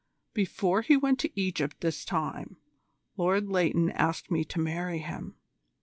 Before he went to Egypt this time Lord Leighton asked me to marry him.